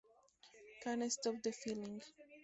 Can't Stop the Feeling!